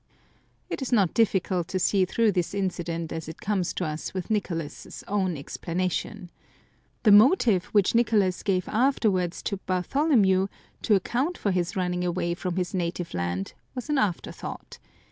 It is not difficult to see through this incident as it comes to us with Nicolas's own explanation. The motive which Nicolas gave afterwards to Bartholomew 190 r to ace I was ai [ able c Some Crazy Saints to account for his running away from his native land was an afterthought.